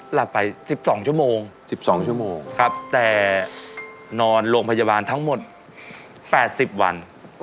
หลับไป๑๒ชั่วโมงแต่นอนโรงพยาบาลทั้งหมด๘๐วัน